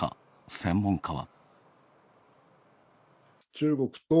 専門家は。